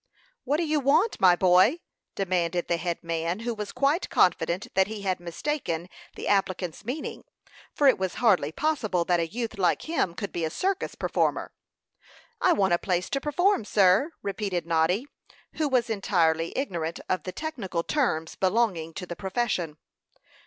"What do you want, my boy?" demanded the head man, who was quite confident that he had mistaken the applicant's meaning, for it was hardly possible that a youth like him could be a circus performer. "I want a place to perform, sir," repeated Noddy, who was entirely ignorant of the technical terms belonging to the profession.